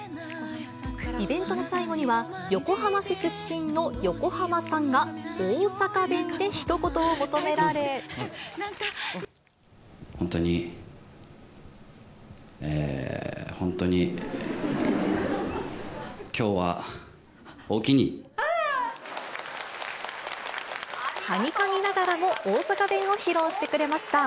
イベントの最後には、横浜市出身の横浜さんが、本当に、本当に、きょうはおはにかみながらも、大阪弁を披露してくれました。